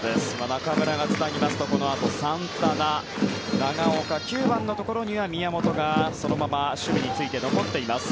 中村がつなぎますとこのあと、サンタナ長岡９番のところには宮本がそのまま守備に就いて残っています。